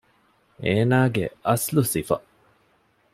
އޭނާގެ އަސްލު ސިފަ